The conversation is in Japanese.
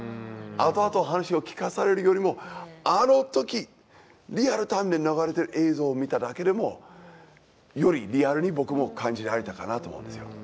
後々話を聞かされるよりもあの時リアルタイムで流れてる映像を見ただけでもよりリアルに僕も感じられたかなと思うんですよ。